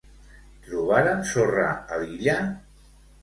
Trobaren sorra a l'illa?